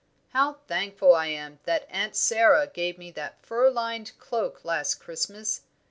How thankful I am that Aunt Sara gave me that fur lined cloak last Christmas!"